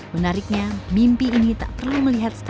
punya pacar gak